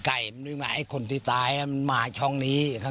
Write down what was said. เกิดถูกหย่างรถเนี่ย